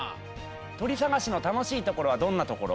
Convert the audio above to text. とりさがしのたのしいところはどんなところ？